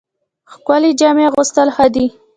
ښکلې جامې اغوستل ښه دي